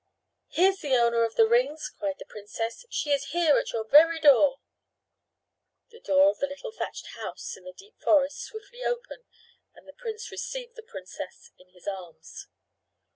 "Here's the owner of the rings!" cried the princess. "She is here at your very door!" The door of the little thatched house in the deep forest swiftly opened and the prince received the princess in his arms.